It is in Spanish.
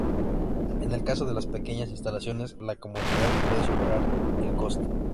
En el caso de las pequeñas instalaciones, la comodidad puede superar el coste.